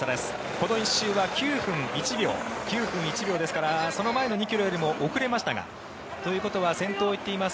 この１周は９分１秒ですからその前の２ｋｍよりも遅れましたがということは先頭を行っています